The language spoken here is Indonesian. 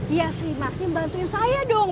iya sih mas nih bantuin saya dong